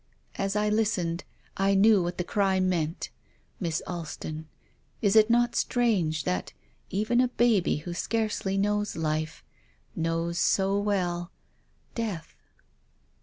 *' As I listened I knew what the cry meant. Miss Alston, is it not strange that even a baby who scarcely knows life knows so well — death?